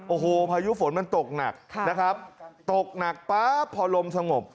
โอ้โหพายุฝนมันตกหนักนะครับตกหนักป๊าบพอลมสงบ